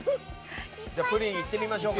プリンいってみましょうか。